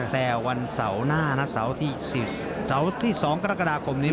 แต่วันเสาหน้านี้เสาที่สองกฎาคมนี้